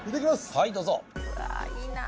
はいどうぞ。